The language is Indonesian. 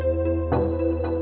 saya mau ke hotel ini